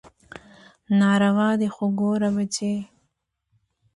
ناروا دي خو ګوره بچى.